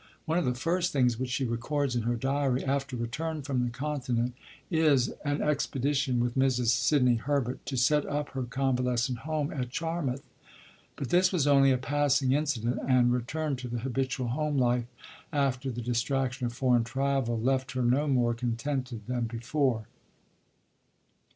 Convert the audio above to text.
One of the first things which she records in her diary after return from the Continent is "an expedition with Mrs. Sidney Herbert to set up her Convalescent Home at Charmouth"; but this was only a passing incident, and return to the habitual home life, after the distraction of foreign travel, left her no more contented than before.